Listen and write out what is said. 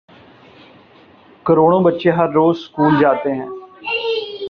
کروڑوں بچے ہر روزسکول جا تے ہیں۔